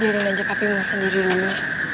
biarin ajak apimu sendiri dulu